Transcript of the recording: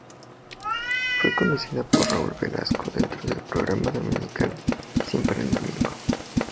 Fue conducida por Raúl Velasco dentro del programa dominical Siempre en domingo.